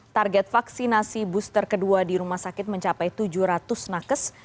target vaksinasi booster kedua di rumah sakit mencapai tujuh ratus nakes